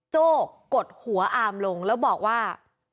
โจ้กดหัวอาร์มลงแล้วบอกว่า